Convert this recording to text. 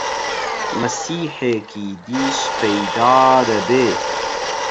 مەسیحێکی دیش پەیدا دەبێ!